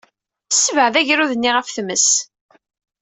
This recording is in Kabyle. Ssebɛed agrud-nni ɣef tmes!